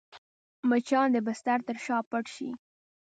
مچان د بستر تر شا پټ شي